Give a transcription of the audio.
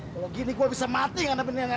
kalau gini gue bisa mati dengan benih nenek